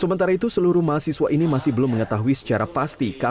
sementara itu seluruh mahasiswa ini masih belum mengetahui secara pasti